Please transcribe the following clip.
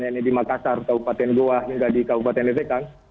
yang ada di makassar kabupaten goa hingga di kabupaten ledekang